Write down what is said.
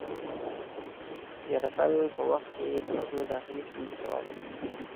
یرغل په وخت کې یې توجه داخلي ستونزو ته واړوي.